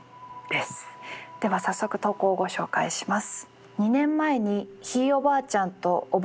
では早速投稿をご紹介します。